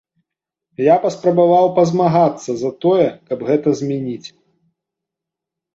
Я паспрабаваў пазмагацца за тое, каб гэта змяніць.